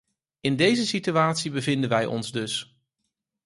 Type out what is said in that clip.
In deze situatie bevinden wij ons dus.